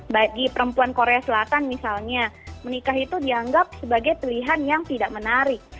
bagi perempuan korea selatan misalnya menikah itu dianggap sebagai pilihan yang tidak menarik